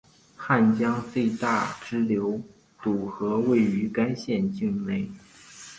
汉江最大支流堵河位于该县境内。